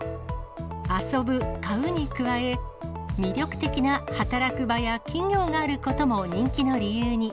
遊ぶ、買うに加え、魅力的な働く場や企業があることも人気の理由に。